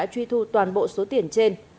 đã truy thu toàn bộ số tiền trên